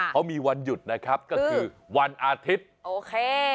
เขามีวันหยุดนะครับก็คือวันอาทิตย์โอเค